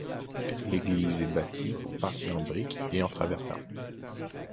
L'église est bâtie pour partie en briques et en travertin.